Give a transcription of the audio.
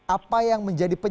apa yang menjadi persatuan